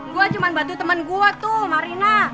gua cuma bantu temen gua tuh marina